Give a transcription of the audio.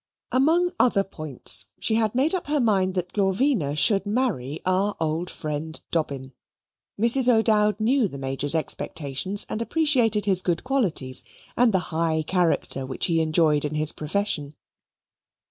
Among other points, she had made up her mind that Glorvina should marry our old friend Dobbin. Mrs. O'Dowd knew the Major's expectations and appreciated his good qualities and the high character which he enjoyed in his profession.